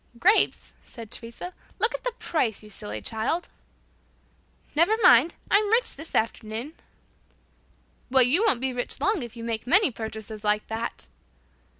"Grapes!" said Teresa. "Look at the price, you silly child." "Never mind. I'm rich this afternoon." "Well, you won't be rich long, if you make many purchases like that!"